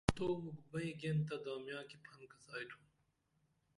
تو مُکھ بئیں گین تہ دامیاں کی پھن کڅائی تُھم